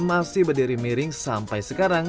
masih berdiri miring sampai sekarang